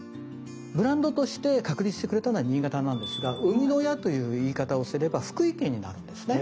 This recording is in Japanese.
ブランドとして確立してくれたのは新潟なんですが生みの親という言い方をすれば福井県になるんですね。